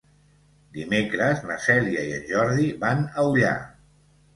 Dimecres na Cèlia i en Jordi van a Ullà.